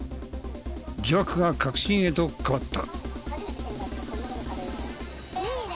疑惑が確信へと変わった。